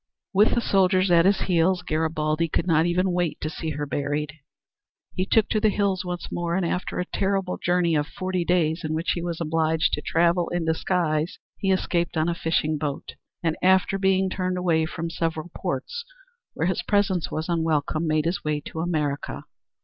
With the soldiers at his heels Garibaldi could not even wait to see her buried. He took to the hills once more, and after a terrible journey of forty days, in which he was obliged to travel in disguise, he escaped on a fishing boat, and after being turned away from several ports where his presence was unwelcome, made his way to America.